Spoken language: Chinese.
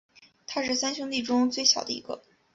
他是三兄弟中最小的一个。